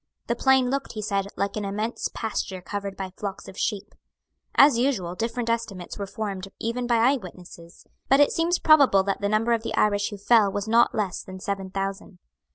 The plain looked, he said, like an immense pasture covered by flocks of sheep. As usual, different estimates were formed even by eyewitnesses. But it seems probable that the number of the Irish who fell was not less than seven thousand.